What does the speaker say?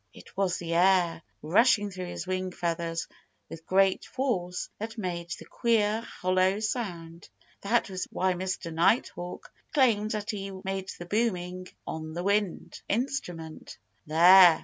It was the air, rushing through his wing feathers with great force, that made the queer, hollow sound. That was why Mr. Nighthawk claimed that he made the booming on a wind instrument. "There!"